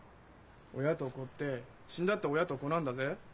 親と子って死んだって親と子なんだぜ。